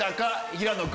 平野君。